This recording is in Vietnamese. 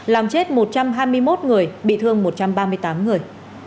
làm chết một trăm hai mươi một người bị thương một trăm ba mươi tám người